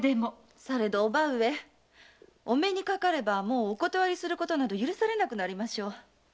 されど叔母上お目にかかればもうお断りすることなど許されなくなりましょう。